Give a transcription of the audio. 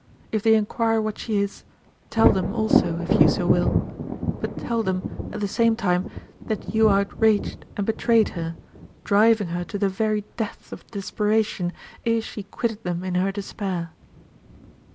If they inquire what she is, tell them, also, if you so will; but tell them, at the same time, that you outraged and betrayed her, driving her to the very depth of desperation ere she quitted them in her despair."